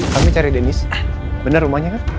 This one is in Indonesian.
kami cari dennis benar rumahnya kan